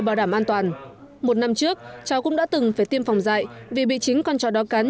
bảo đảm an toàn một năm trước cháu cũng đã từng phải tiêm phòng dạy vì bị chính con chó đó cắn